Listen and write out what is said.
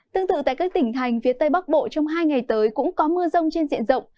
tương tự tại các tỉnh thành phía tây bắc bộ trong hai ngày tới cũng có mưa rông trên diện rộng